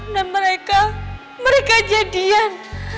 dan mereka mereka jadian